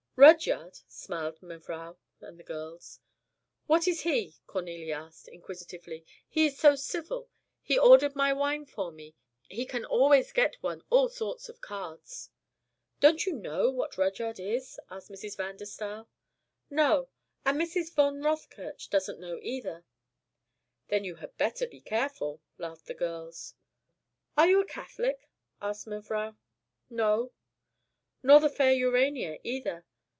"Rudyard!" smiled mevrouw and the girls. "What is he?" Cornélie asked, inquisitively. "He is so civil, he ordered my wine for me, he can always get one all sorts of cards." "Don't you know what Rudyard is?" asked Mrs. van der Staal. "No; and Mrs. von Rothkirch doesn't know either." "Then you had better be careful," laughed the girls. "Are you a Catholic?" asked mevrouw. "No." "Nor the fair Urania either?